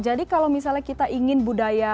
jadi kalau misalnya kita ingin budaya